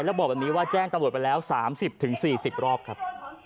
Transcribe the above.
ตอนนี้ว่าแจ้งตำรวจไปแล้ว๓๐๔๐รอบครับ